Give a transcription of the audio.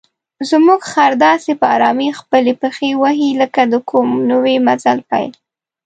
زموږ خر داسې په آرامۍ خپلې پښې وهي لکه د کوم نوي مزل پیل.